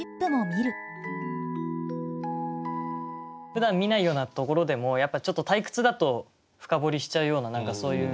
ふだん見ないようなところでもやっぱちょっと退屈だと深掘りしちゃうような何かそういう。